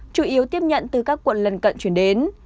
chủ yếu tiếp nhận từ các quận lân cận chuyển đến